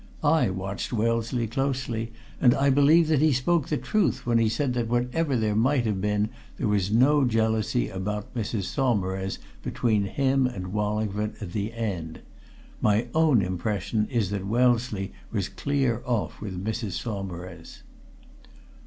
I watched Wellesley closely, and I believe that he spoke the truth when he said that whatever there might have been there was no jealousy about Mrs. Saumarez between him and Wallingford at the end. My own impression is that Wellesley was clear off with Mrs. Saumarez."